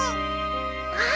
あっ。